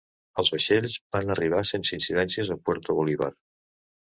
Els vaixells van arribar sense incidències a Puerto Bolívar.